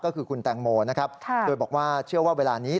ก็คือคุณแตงโมนะครับโดยบอกว่าเชื่อว่าเวลานี้